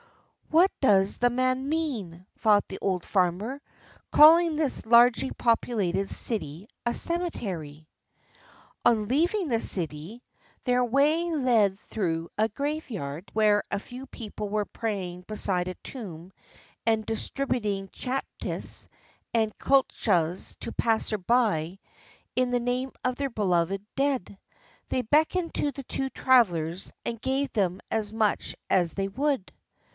"What does the man mean," thought the old farmer, "calling this largely populated city a cemetery?" On leaving the city their way led through a graveyard where a few people were praying beside a tomb and distributing chapatis and kulchas to passers by, in the name of their beloved dead. They beckoned to the two travelers and gave them as much as they would.